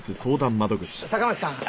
坂巻さん